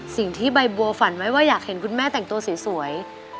สิ่งที่ใบบัวฝันไว้ว่าอยากเห็นคุณแม่แต่งตัวสวย